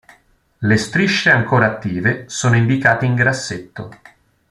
Le strisce ancora attive sono indicate in grassetto.